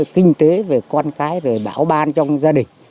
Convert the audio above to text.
kinh tế về con cái rồi bảo ban trong gia đình